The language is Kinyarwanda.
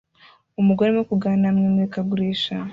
Umugore arimo kuganira mu imurikagurisha